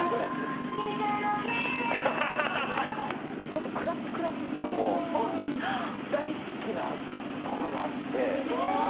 ちょっとクラップクラップも、大好きなところがあって。